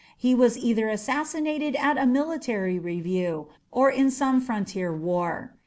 He was either assassinated at a military review or in some frontier war.